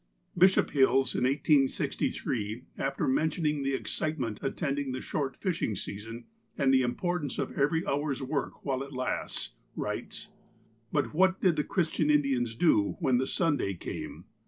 Bishop Hills, in 1863, after mentioning the excitement attending the short fishing season, and the importance of every hour's work while it lasts, writes : "But what did the Christian Indians do when the Sunday came